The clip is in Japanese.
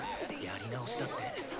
やり直しだって。